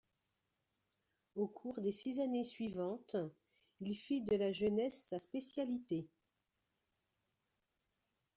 Au cours des six années suivantes, il fait de la jeunesse sa spécialité.